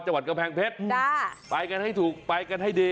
จังหวัดกำแพงเพชรไปกันให้ถูกไปกันให้ดี